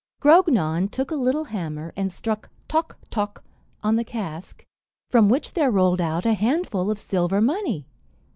Grognon took a little hammer, and struck "toc, toc," on the cask, from which there rolled out a handful of silver money.